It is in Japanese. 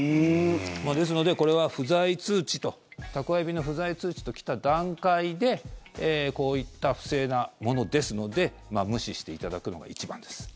ですので、これは不在通知と宅配便の不在通知と来た段階でこういった不正なものですので無視していただくのが一番です。